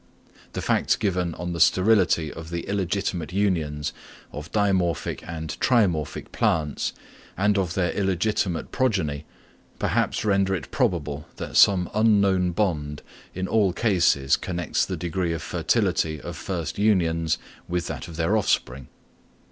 The facts given on the sterility of the illegitimate unions of dimorphic and trimorphic plants and of their illegitimate progeny, perhaps render it probable that some unknown bond in all cases connects the degree of fertility of first unions with that of their offspring.